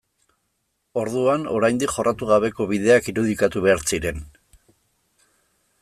Orduan, oraindik jorratu gabeko bideak irudikatu behar ziren.